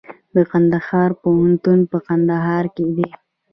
د کندهار پوهنتون په کندهار کې دی